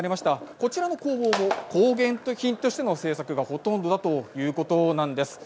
こちらの工房も工芸品としても製作がほとんどだということなんです。